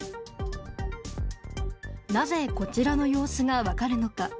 なぜこちらの様子が分かるのか。